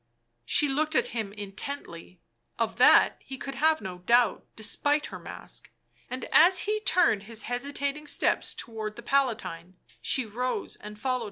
She looked at him intently; of that he could have no doubt, despite her mask, and, as he turned his hesitating steps towards the Palatine, she rose and followed him.